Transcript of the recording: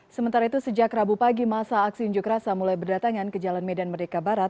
sementara itu sejak rabu pagi masa aksi unjuk rasa mulai berdatangan ke jalan medan merdeka barat